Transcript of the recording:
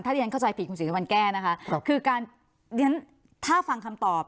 ถ้าเรียนเข้าใจผิดคุณศรีสะวันแก้นะคะครับคือการถ้าฟังคำตอบ